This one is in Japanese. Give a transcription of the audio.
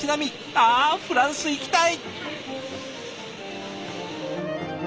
あフランス行きたい！